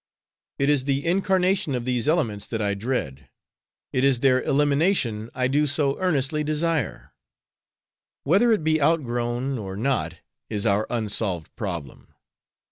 It is the incarnation of these elements that I dread. It is their elimination I do so earnestly desire. Whether it be outgrown or not is our unsolved problem.